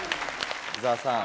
伊沢さん。